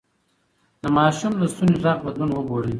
د ماشوم د ستوني غږ بدلون وګورئ.